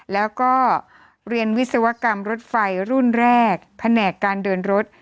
แล้วก็เรียนวิศวกรรมรถไฟรุ่นแรกแผนกการเดินรถ